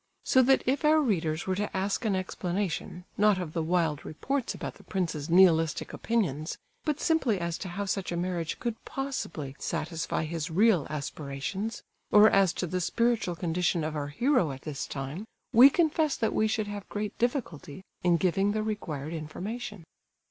So that if our readers were to ask an explanation, not of the wild reports about the prince's Nihilistic opinions, but simply as to how such a marriage could possibly satisfy his real aspirations, or as to the spiritual condition of our hero at this time, we confess that we should have great difficulty in giving the required information.